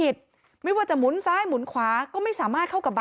ส่วนด้านซ้าย